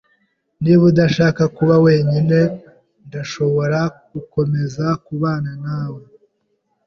Niba udashaka kuba wenyine, ndashobora gukomeza kubana nawe.